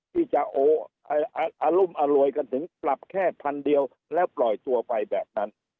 ที่จะอรุมอร่วยกันถึงปรับแค่พันเดียวแล้วปล่อยตัวไปแบบนั้น